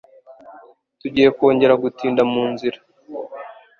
Tugiye kongera gutinda mu nzira.